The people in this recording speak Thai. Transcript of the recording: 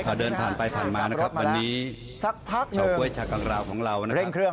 วันนี้แขวดพันแปลกแล้วที่เช้าเครื่องมือเล่นเครื่อง